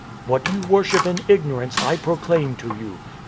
What you worship in ignorance, I proclaim to you.